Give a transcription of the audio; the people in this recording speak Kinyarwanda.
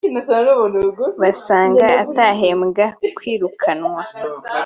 basanga atahembwa kwirukanwa